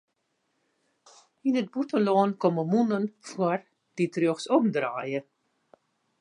Yn it bûtenlân komme mûnen foar dy't rjochtsom draaie.